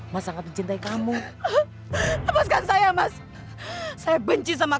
rati saya mencintai kamu hanya dengan cara menikahlah jalan satu satunya untuk menutupi rasa malu itu